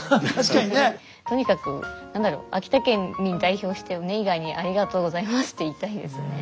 とにかく何だろう秋田県民代表してネイガーにありがとうございますって言いたいですね。